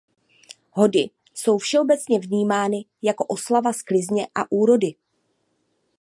Hody jsou všeobecně vnímány jako oslava sklizně a úrody.